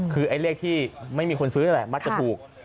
คือไอ้เลขที่ไม่มีคนซื้อนั่นแหละมักจะถูก